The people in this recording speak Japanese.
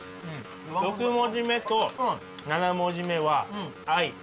「６文字目と７文字目はＩ」